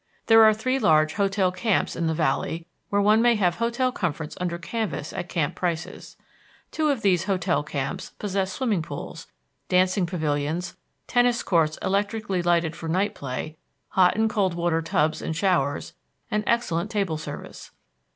There are three large hotel camps in the Valley, where one may have hotel comforts under canvas at camp prices. Two of these hotel camps possess swimming pools, dancing pavilions, tennis courts electrically lighted for night play, hot and cold water tubs and showers, and excellent table service.